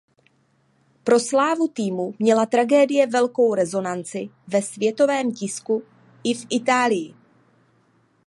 Pro slávu týmu měla tragédie velkou rezonanci ve světovém tisku i v Itálii.